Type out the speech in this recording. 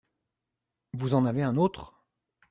Vous en avez un autre ?